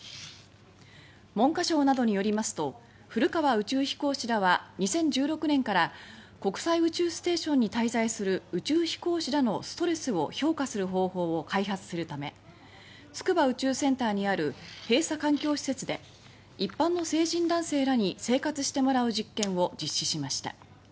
文科省などによりますと古川宇宙飛行士らは２０１６年から国際宇宙ステーションに滞在する宇宙飛行士らのストレスを評価する方法を開発するため筑波宇宙センターにある閉鎖環境施設で一般の成人男性らに生活してもらう実験を実施しました。